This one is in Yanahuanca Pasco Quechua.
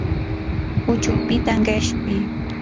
huchupita qishpi.